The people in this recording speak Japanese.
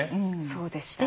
そうでした。